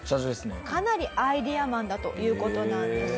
かなりアイデアマンだという事なんです。